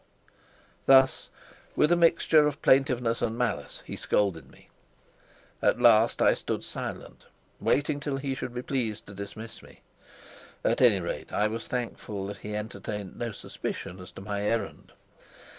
Thus, with a mixture of plaintiveness and malice, he scolded me. At last I stood silent, waiting till he should be pleased to dismiss me. At any rate I was thankful that he entertained no suspicion as to my errand.